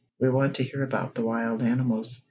"We want to hear about the wild animals.